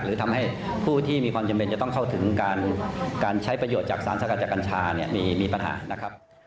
หรือทำให้ผู้ที่มีความจำเป็นจะต้องเข้าถึงการใช้ประโยชน์จากสารสกัดจากกัญชาเนี่ยมีปัญหานะครับ